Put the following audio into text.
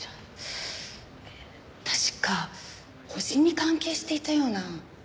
確か星に関係していたような。